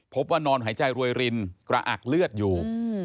พบว่านอนหายใจรวยรินกระอักเลือดอยู่